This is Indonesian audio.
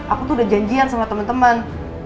aku tuh udah janjian sama temen temen